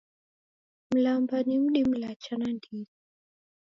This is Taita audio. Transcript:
Mlamba ni mdi mlacha nandighi